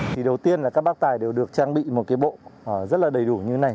thì đầu tiên là các bác tài đều được trang bị một cái bộ rất là đầy đủ như thế này